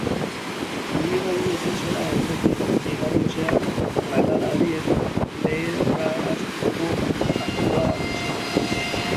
Ibilgailu ofiziala ondotik igarotzean, granada horiek leherrarazteko asmoa zuten.